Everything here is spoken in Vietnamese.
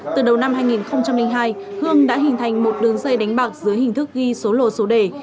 từ đầu năm hai nghìn hai hương đã hình thành một đường dây đánh bạc dưới hình thức ghi số lô số đề